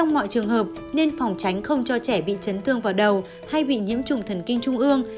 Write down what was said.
mọi trường hợp nên phòng tránh không cho trẻ bị chấn thương vào đầu hay bị nhiễm trùng thần kinh trung ương